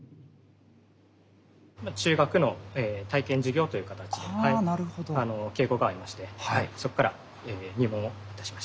中学の体験授業という形で稽古がありましてそこから入門いたしました。